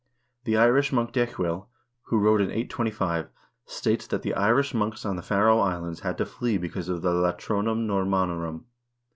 2 The Irish monk Decuil, who wrote in 825, states that the Irish monks on the Faroe Islands had to flee because of the Latronum Normannorum.